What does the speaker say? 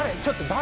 誰？